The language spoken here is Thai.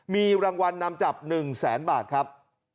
มีรางวัลนำจับ๑แสนบาทครับ